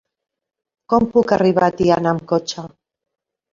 Com puc arribar a Tiana amb cotxe?